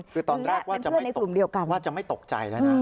คือตอนแรกว่าจะไม่ตกใจแล้วนะ